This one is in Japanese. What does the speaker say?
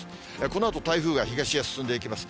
このあと台風が東へ進んでいきます。